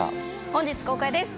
本日公開です。